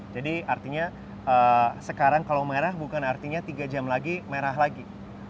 jadi artinya sekarang kalau merah bukan artinya tiga jam lagi merah lagi